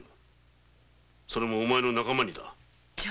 それもお前の仲間にだ。